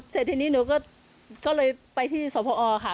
เสร็จทีนี้หนูก็เลยไปที่สพค่ะ